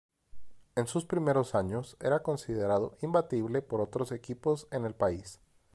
En sus primeros años era considerado imbatible por otros equipos en el país.